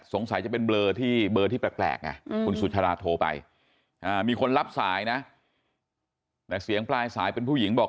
สงสัยจะเป็นเบอร์ที่แปลกคุณสุธราโทรไปมีคนรับสายนะแต่เสียงปลายสายเป็นผู้หญิงบอก